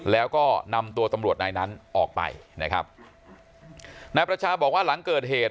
แล้วก็นำตัวตำรวจนายนั้นออกไปนะครับนายประชาบอกว่าหลังเกิดเหตุ